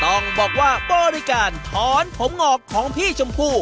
ต้องบอกว่าบริการถอนผมงอกของพี่ชมพู่